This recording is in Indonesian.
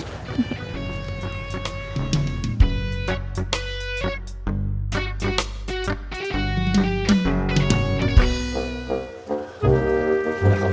jadi rendah jangan cuma berduit